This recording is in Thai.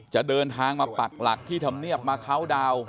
จะเดินทางมาปักหลักที่ธรรมเนียบมาเคาน์ดาวน์